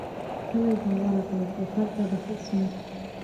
خلک به ورغلل خو هلته به هیڅ نه و.